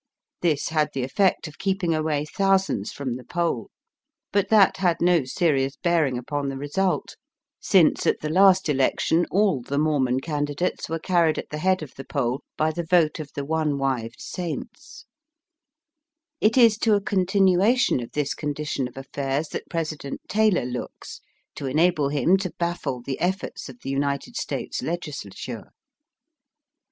This had the effect of keep ing away thousands from the poll ; but that had no serious bearing upon the result, since Digitized by VjOOQIC THE MORMON PRESIDENT AT HOME. 113 at the last election all the Mormon candidates were carried at the head of the poll by the vote of the one wived saints. It is to a continuation of this condition of affairs that President Taylor looks to enable him to baffle the efforts of the United States Legislature.